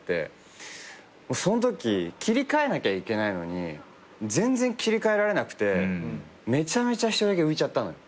そんとき切り替えなきゃいけないのに全然切り替えられなくてめちゃめちゃ１人だけ浮いちゃったのよ。